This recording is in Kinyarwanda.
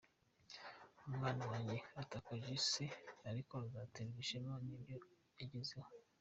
Umwana wanjye atakaje se ariko azaterwa ishema n’ibyo yagezeho.